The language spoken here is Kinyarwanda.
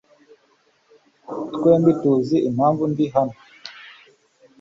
Twembi tuzi impamvu ndi hano.